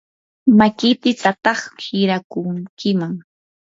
makiykitataq hirakunkiman.